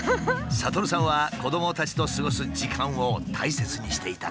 悟さんは子どもたちと過ごす時間を大切にしていたという。